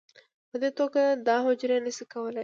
په دې توګه دا حجرې نه شي کولی